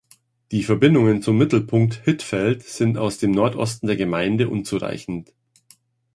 Die Verbindungen zum Mittelpunkt Hittfeld sind aus dem Nordosten der Gemeinde unzureichend.